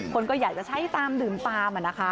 คนก็อยากจะใช้ตามดื่มตาม